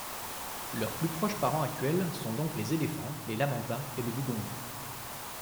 Leurs plus proches parents actuels sont donc les éléphants, les lamantins et le dugong.